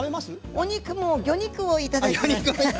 お肉も魚肉をいただいてます。